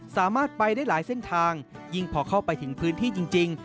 สามารถไปได้หลายเส้นทางยิ่งพอเข้าไปถึงพื้นที่จริง